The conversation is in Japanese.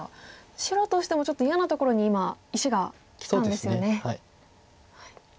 白としてもちょっと嫌なところに今石がきたんですよね。